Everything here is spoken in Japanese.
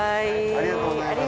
ありがとうございます。